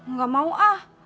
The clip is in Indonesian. nggak mau ah